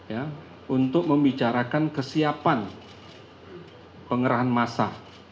ya untuk membicarakan kesiapan pengerahan massa